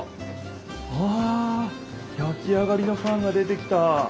あやきあがりのパンが出てきた。